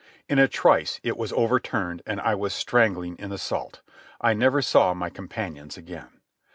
In a trice it was overturned and I was strangling in the salt. I never saw my companions again.